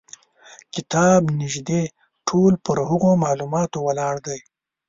کتاب نیژدې ټول پر هغو معلوماتو ولاړ دی.